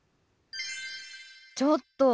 ちょっと！